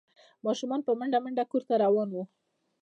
ماشومان په منډه منډه کور ته روان وو۔